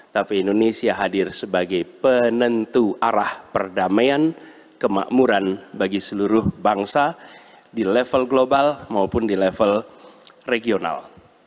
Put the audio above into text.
tapi indonesia hadir sebagai penentu arah perdamaian kemakmuran bagi seluruh bangsa di level global maupun di level regional